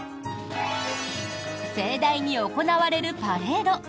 盛大に行われるパレード。